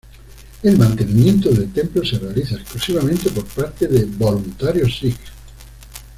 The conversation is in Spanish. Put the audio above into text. El mantenimiento del templo se realiza exclusivamente por parte de voluntarios sijs.